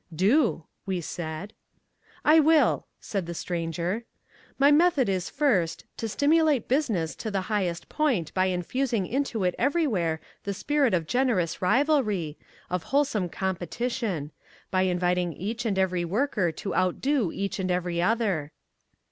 "Do," we said. "I will," said the Stranger. "My method is first: to stimulate business to the highest point by infusing into it everywhere the spirit of generous rivalry, of wholesome competition; by inviting each and every worker to outdo each and every other."